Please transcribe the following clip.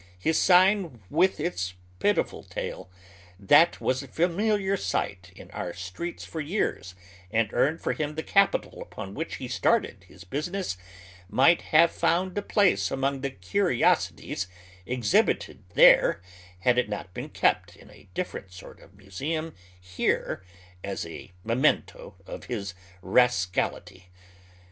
His sign with its pitiful tale, that was a familiar sight in our streets for years and earned for him the capital upon which he started his business, might have found a place among the curiosities exhibited there, had it not been kept in a different sort of museum here as a memento of liis rascality.